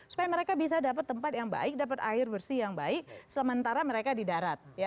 supaya mereka bisa dapat tempat yang baik dapat air bersih yang baik sementara mereka di darat